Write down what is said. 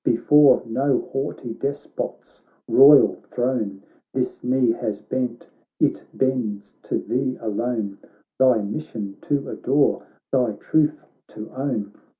Before no haughty despot's royal throne This knee has bent — it bends to thee alone. Thy mission to adore, thy truth to own.